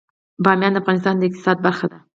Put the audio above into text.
بامیان د افغانستان د اقتصاد برخه ده.